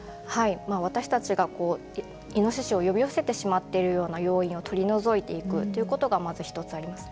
私たちがイノシシを呼び寄せてしまうような要因を取り除いていくということがまず一つあります。